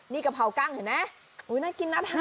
นี่กะเพรากั้งเห็นไหมน่ากินน่าทาน